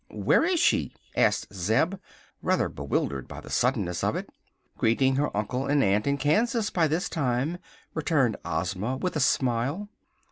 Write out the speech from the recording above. "Where is she?" asked Zeb, rather bewildered by the suddenness of it. "Greeting her uncle and aunt in Kansas, by this time," returned Ozma, with a smile.